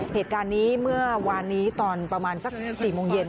เหตุการณ์นี้เมื่อวานนี้ตอนประมาณสัก๔โมงเย็น